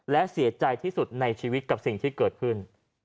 และเสียใจที่สุดในชีวิตกับสิ่งที่เกิดขึ้น